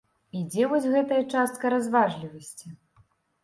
І дзе вось гэтая частка разважлівасці?